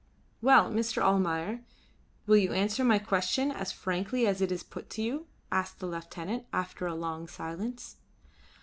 "Well, Mr. Almayer, will you answer my question as frankly as it is put to you?" asked the lieutenant, after a long silence.